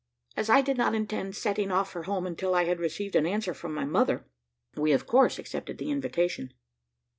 As I did not intend setting off for home until I had received an answer from my mother, we, of course, accepted the invitation.